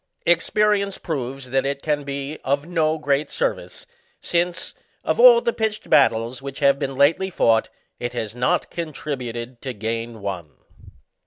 Expe rience proves that it can be of no great service, since, of all the pitched battles which have been lately fought, it has not contributed to gain one.